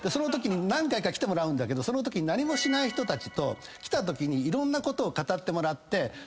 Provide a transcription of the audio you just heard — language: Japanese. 何回か来てもらうんだけどそのときに何もしない人たちと来たときにいろんなことを語ってもらって。